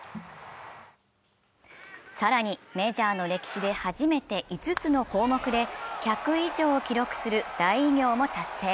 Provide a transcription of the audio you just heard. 更にメジャーの歴史で初めて５つの項目で初めて１００以上も記録する大偉業を達成。